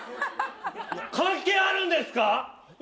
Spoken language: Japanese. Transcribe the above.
関係あるんですか！？